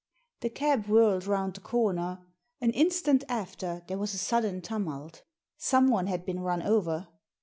The cab whirled round the comer. An instant after there was a sudden tumult — someone had been run over.